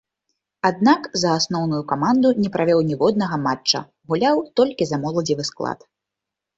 Аднак, за асноўную каманду не правёў ніводнага матча, гуляў толькі за моладзевы склад.